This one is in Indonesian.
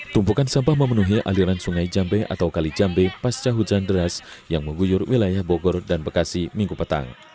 tumpukan sampah memenuhi aliran sungai jambe atau kali jambe pasca hujan deras yang mengguyur wilayah bogor dan bekasi minggu petang